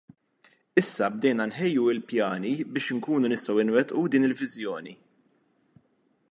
Issa bdejna nħejju l-pjani biex inkunu nistgħu nwettqu din il-Viżjoni.